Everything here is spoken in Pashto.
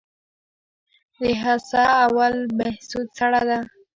د حصه اول بهسود سړه ده